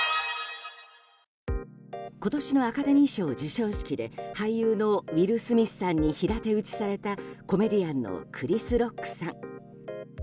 今年のアカデミー賞授賞式で俳優のウィル・スミスさんに平手打ちされたコメディアンのクリス・ロックさん。